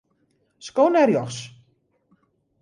Sko nei rjochts.